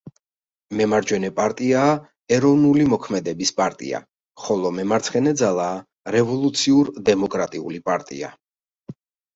მემარჯვენე პარტიაა ეროვნული მოქმედების პარტია, ხოლო მემარცხენე ძალაა რევოლუციურ-დემოკრატიული პარტია.